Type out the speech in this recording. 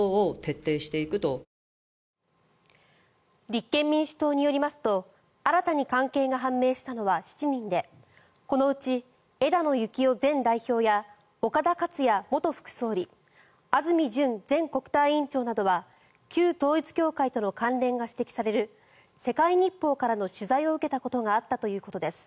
立憲民主党によりますと新たに関係が判明したのは７人でこのうち、枝野幸男前代表や岡田克也元副総理安住淳前国対委員長などは旧統一教会との関連が指摘される世界日報からの取材を受けたことがあったということです。